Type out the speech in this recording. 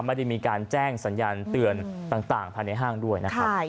ไม่ได้มีการแจ้งสัญญาณเตือนต่างภายในห้างด้วยนะครับ